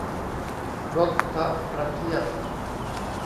รถพระประเทียบ